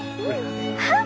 あっ！